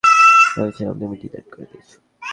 ভেবেছিলাম তুমি ডিলেট করে দিয়েছ।